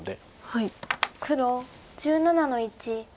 黒１７の一。